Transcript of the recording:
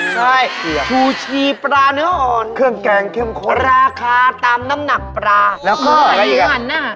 ใช่ชูชีปลาเนื้ออ่อนราคาตามน้ำหนักปลาแล้วก็อะไรอีกน่ะคือไอ้หนังน่ะ